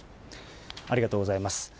ありがとうございます。